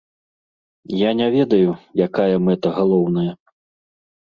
Я не ведаю, якая мэта галоўная.